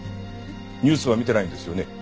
ニュースは見てないんですよね？